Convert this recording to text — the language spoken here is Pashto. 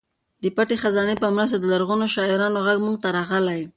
د پټې خزانې په مرسته د لرغونو شاعرانو غږ موږ ته راغلی.